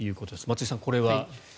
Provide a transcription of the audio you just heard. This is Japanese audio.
松井さん、これは。